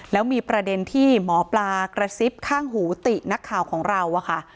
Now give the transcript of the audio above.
แล้วมีประเด็นที่หมอปลากระซิบข้างหูตินักข่าวของเราอะค่ะ